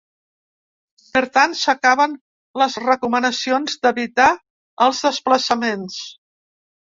Per tant, s’acaben les recomanacions d’evitar els desplaçaments.